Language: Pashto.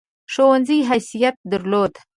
ښوونځي حیثیت درلود.